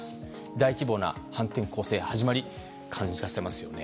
大規模な反転攻勢の始まりを感じさせますよね。